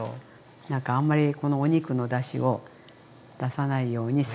何かあんまりこのお肉のだしを出さないように最低にしてます。